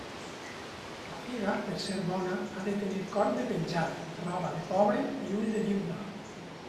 La figa, per ser bona, ha de tenir coll de penjat, roba de pobre i ull de viuda.